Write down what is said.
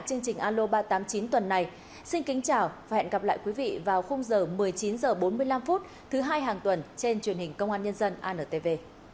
chương trình alo ba trăm tám mươi chín tuần này xin kính chào và hẹn gặp lại quý vị vào khung giờ một mươi chín h bốn mươi năm thứ hai hàng tuần trên truyền hình công an nhân dân antv